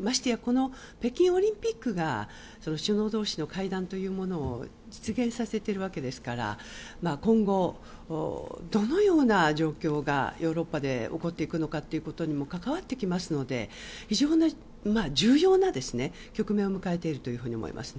ましてや、北京オリンピックが首脳同士の会談というものを実現させてるわけですから今後、どのような状況がヨーロッパで起こっていくのかということにも関わってきますので非常に重要な局面を迎えていると思います。